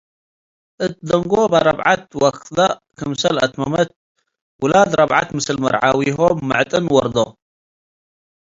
እት ደንጎበ ረብዐት ወክደ ክምሰል አትመመት ውላድ ረብዐት ምስል መርዓዊሆም ምዕጥን ወርዶ ።